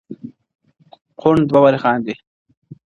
o کوڼ دوه واره خاندي!